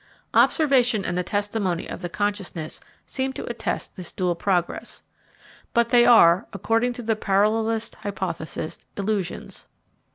Observation and the testimony of the consciousness seem to attest this dual progress; but they are, according to the parallelist hypothesis, illusions.